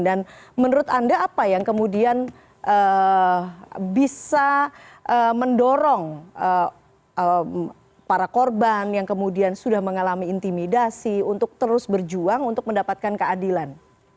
menurut anda apa yang kemudian bisa mendorong para korban yang kemudian sudah mengalami intimidasi untuk terus berjuang untuk mendapatkan keadilan